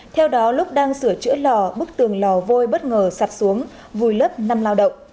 theo đó lúc đang sửa chữa lò bức tường lò vôi bất ngờ sạt xuống vùi lấp năm lao động